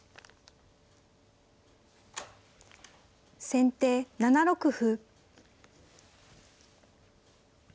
先手７六歩。